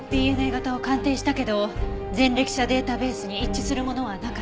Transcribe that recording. ＤＮＡ型を鑑定したけど前歴者データベースに一致するものはなかったわ。